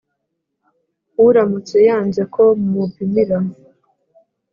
Uramutse yanze ko mumupimira